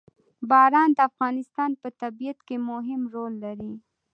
باران د افغانستان په طبیعت کې مهم رول لري.